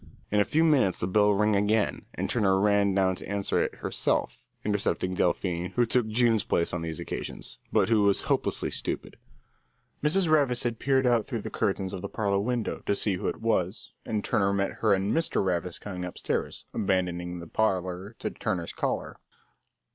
In a few minutes the bell rang again, and Turner ran down to answer it herself, intercepting Delphine, who took June's place on these occasions, but who was hopelessly stupid. Mrs. Ravis had peered out through the curtains of the parlour window to see who it was, and Turner met her and Mr. Ravis coming upstairs, abandoning the parlour to Turner's caller.